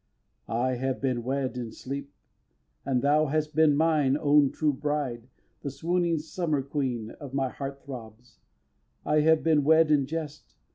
vi. I have been wed in sleep, and thou hast been Mine own true bride, the swooning summer queen Of my heart throbs. I have been wed in jest!